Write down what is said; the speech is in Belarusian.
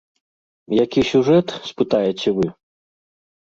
Які сюжэт, спытаеце вы?